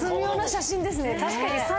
確かに。